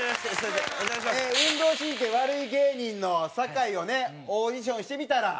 運動神経悪い芸人の酒井をねオーディションしてみたら。